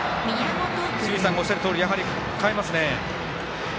清水さんがおっしゃるとおり代えますね。